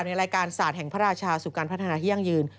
ในรายการศาสตร์แห่งพระราชาสู่การพัฒนาที่ยั่งยืน